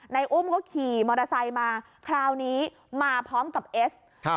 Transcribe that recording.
อุ้มก็ขี่มอเตอร์ไซค์มาคราวนี้มาพร้อมกับเอสครับ